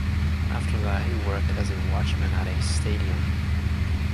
After that he worked as a watchman at a stadium.